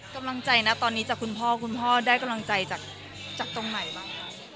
กำลังใจนะตอนนี้จากคุณพ่อคุณพ่อได้กำลังใจจากตรงไหนบ้างคะ